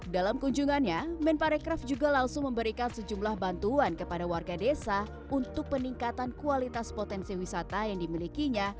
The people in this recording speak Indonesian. dalam kunjungannya men parekraf juga langsung memberikan sejumlah bantuan kepada warga desa untuk peningkatan kualitas potensi wisata yang dimilikinya